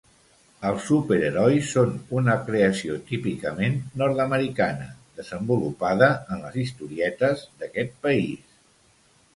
Els superherois són una creació típicament nord-americana, desenvolupada en les historietes d'aquest país.